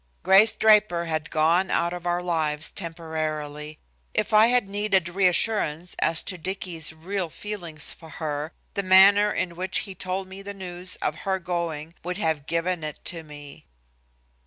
Grace Draper had gone out of our lives temporarily. If I had needed reassurance as to Dicky's real feeling for her, the manner in which he told me the news of her going would have given it to me.